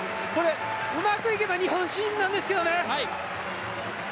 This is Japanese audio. うまくいけば日本新なんですけどね。